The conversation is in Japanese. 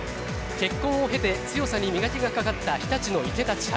結婚を経て強さに磨きがかかった日立の池田千晴。